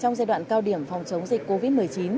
trong giai đoạn cao điểm phòng chống dịch covid một mươi chín